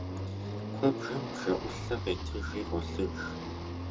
Куэбжэм бжэӏулъэ къетыжи гъуэлъыж.